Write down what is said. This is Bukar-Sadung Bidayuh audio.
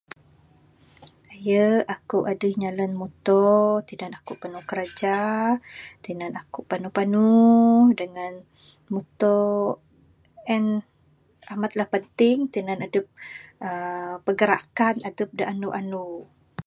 Aye aku adeh nyalan muto tinan aku panu kerja tinan aku panu panu dangan muto en amatlah penting tinan adep pergerakan adep da anu anu